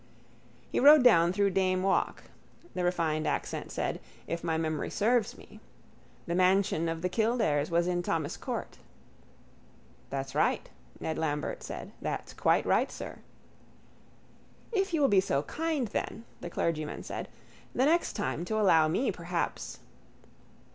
—He rode down through Dame walk, the refined accent said, if my memory serves me. The mansion of the Kildares was in Thomas court. —That's right, Ned Lambert said. That's quite right, sir. —If you will be so kind then, the clergyman said, the next time to allow me perhaps...